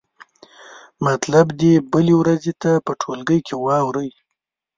مطلب دې بلې ورځې ته په ټولګي کې واورئ.